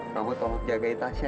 kamu tolong jagai tasya ya